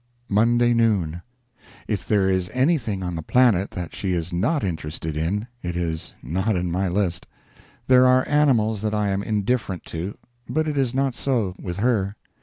MONDAY NOON. If there is anything on the planet that she is not interested in it is not in my list. There are animals that I am indifferent to, but it is not so with her.